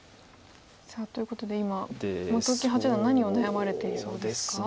さあということで今本木八段何を悩まれていそうですか？